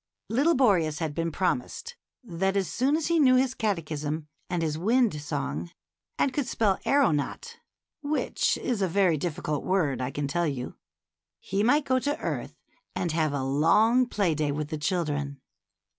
Little Boreas had been promised that as soon as he knew his catechism and his wind song, and could spell aeronaut, — which is a very difficult word, I can tell you, — he might go to earth and have a long play day with the children.